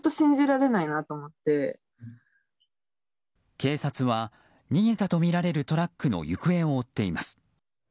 警察は逃げたとみられるトラックの行方を追っています。